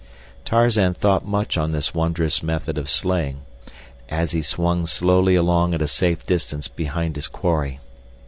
Tarzan thought much on this wondrous method of slaying as he swung slowly along at a safe distance behind his quarry.